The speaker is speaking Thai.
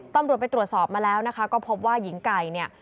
ตำรวจไปตรวจสอบมาแล้วนะคะก็พบว่าหญิงไก่เนี่ย